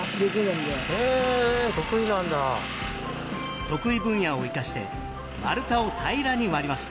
へえ得意分野を生かして丸太を平らに割ります